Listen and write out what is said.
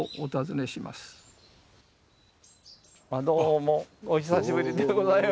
どうもお久しぶりでございます。